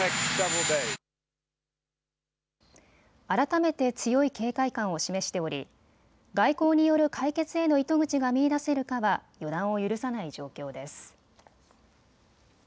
改めて強い警戒感を示しており外交による解決への糸口が見いだせるかは予断を許さない状況です。